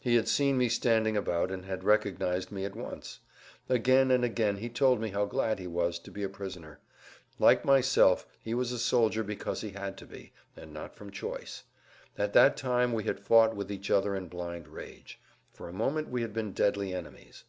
He had seen me standing about and had recognized me at once. Again and again he told me how glad he was to be a prisoner. Like myself he was a soldier because he had to be, and not from choice. At that time we had fought with each other in blind rage; for a moment we had been deadly enemies.